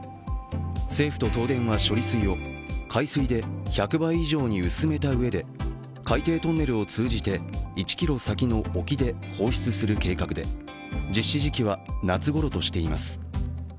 政府と東電は処理水を海水で１００倍以上に薄めたうえで海底トンネルを通じて１ｋｍ先の沖で放出する計画で実施時期は夏ごろとしています。